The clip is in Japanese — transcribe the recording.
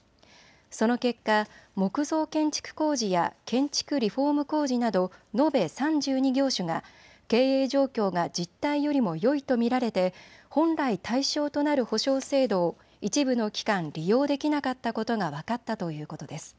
その結果、木造建築工事や建築リフォーム工事など延べ３２業種が経営状況が実態よりもよいと見られて本来、対象となる保証制度を一部の期間利用できなかったことが分かったということです。